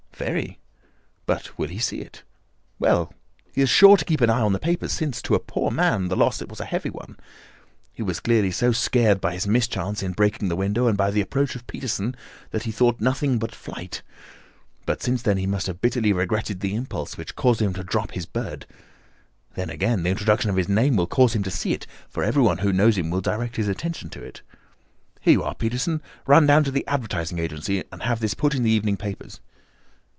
"Very. But will he see it?" "Well, he is sure to keep an eye on the papers, since, to a poor man, the loss was a heavy one. He was clearly so scared by his mischance in breaking the window and by the approach of Peterson that he thought of nothing but flight, but since then he must have bitterly regretted the impulse which caused him to drop his bird. Then, again, the introduction of his name will cause him to see it, for everyone who knows him will direct his attention to it. Here you are, Peterson, run down to the advertising agency and have this put in the evening papers."